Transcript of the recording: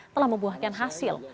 telah membuahkan hasil